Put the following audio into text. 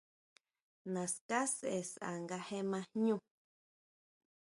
Naská sʼe sá nga je ma jñú.